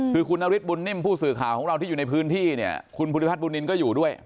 คือคุณนฤทธบุญนิ่มผู้สื่อข่าวของเราที่อยู่ในพื้นที่เนี่ยคุณภูริพัฒนบุญนินก็อยู่ด้วย